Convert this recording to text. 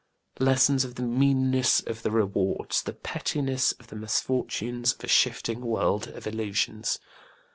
Lessons of the meanness of the rewards, the pettiness of the misfortunes of a shifting world of illusions.